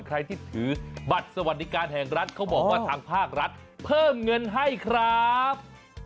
ใครที่ถือบัตรสวัสดิการแห่งรัฐเขาบอกว่าทางภาครัฐเพิ่มเงินให้ครับ